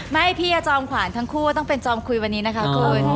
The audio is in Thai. ไม่พี่อาจอมขวานทั้งคู่ต้องเป็นจอมคุยวันนี้นะคะคุณ